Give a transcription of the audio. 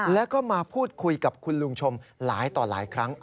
แล้วก็มาพูดคุยกับคุณลุงชมหลายต่อหลายครั้ง